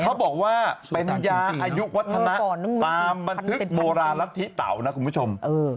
เขาบอกว่าเป็นยาอายุวัฒนะตามบันทึกโบราณรัฐธิเตานะคุณผู้ชม